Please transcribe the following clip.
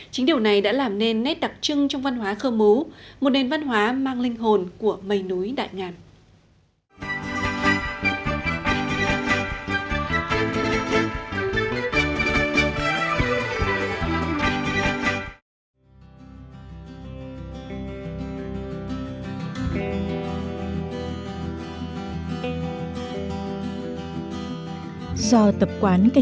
chính điều này đã làm nên nét đặc trưng trong văn hóa khơ mú một nền văn hóa mang linh hồn của mây núi đại ngàn